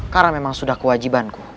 karena memang sudah kewajibanku